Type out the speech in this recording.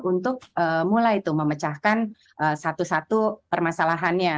untuk mulai tuh memecahkan satu satu permasalahannya